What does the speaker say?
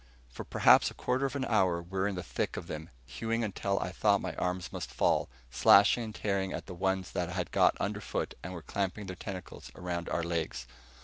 For perhaps a quarter of an hour we were in the thick of them, hewing until I thought my arms must fall, slashing and tearing at the ones that had got underfoot and were clamping their tentacles around our legs.